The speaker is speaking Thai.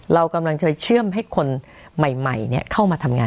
เรากำลังจะเชื่อมให้คนใหม่เข้ามาทำงาน